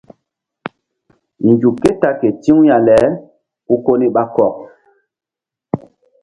Nzuk ké ta ke ti̧w ya le ku koni ɓa kɔk.